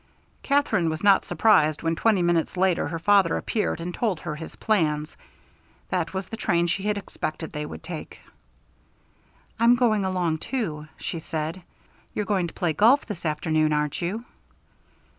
Katherine was not surprised when twenty minutes later her father appeared and told her his plans. That was the train she had expected they would take. "I'm going along too," she said. "You're going to play golf this afternoon, aren't you?"